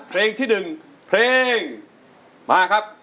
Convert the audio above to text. เพลงที่๑เพลงมาครับ